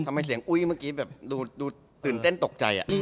ทำไมเสียงอุ้ยเมื่อกี้แบบดูตื่นเต้นตกใจ